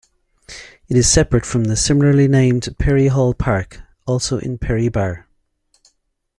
It is separate from the similarly named Perry Hall Park, also in Perry Barr.